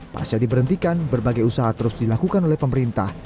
pas jadi berhentikan berbagai usaha terus dilakukan oleh pemerintah